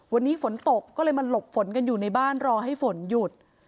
วันนี้ฝนตกก็เลยมาหลบฝนกันอยู่ในบ้านรอให้ฝนหยุด